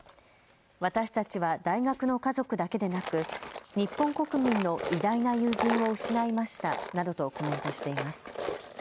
私たちは大学の家族だけでなく日本国民の偉大な友人を失いましたなどとコメントしています。